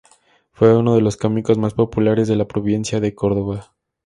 Fue uno de los cómicos más populares de la provincia de Córdoba.